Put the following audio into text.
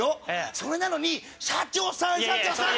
それなのに「社長さん社長さん！」